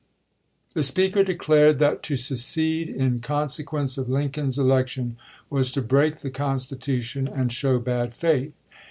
The speaker declared that to secede in conse quence of Lincoln's election was to break the Con stitution and show bad faith.